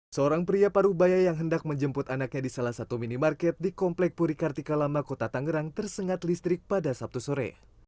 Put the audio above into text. seorang pria paruh baya yang hendak menjemput anaknya di salah satu minimarket di komplek puri kartika lama kota tangerang tersengat listrik pada sabtu sore